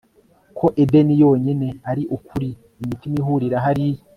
ko edeni yonyine ari ukuri, imitima ihurira hariya